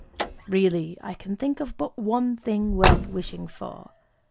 Really, I can think of but one thing worth wishing for.